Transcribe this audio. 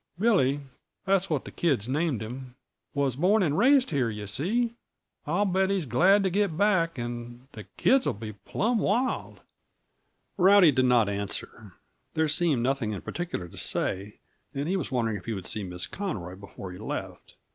Billy that's what the kids named him was born and raised here, yuh see. I'll bet he's glad to get back and the kids'll be plumb wild." Rowdy did not answer; there seemed nothing in particular to say, and he was wondering if he would see Miss Conroy before he left.